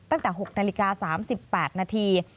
ตั้งแต่๖นาฬิกา๓๘นาที